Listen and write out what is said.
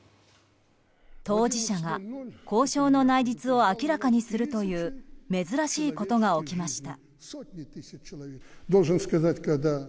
当事者が交渉の内実を明らかにするという珍しいことが起きました。